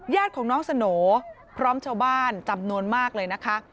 ญาติของน้องสโหน่พร้อมชาวบ้านจำนวนมากเลยนะคะ